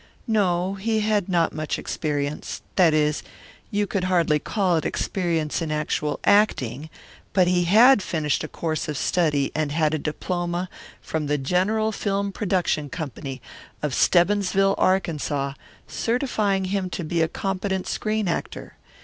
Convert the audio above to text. No, he had not had much experience; that is, you could hardly call it experience in actual acting, but he had finished a course of study and had a diploma from the General Film Production Company of Stebbinsville, Arkansas, certifying him to be a competent screen actor.